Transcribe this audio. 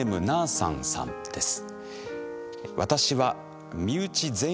さんさんです。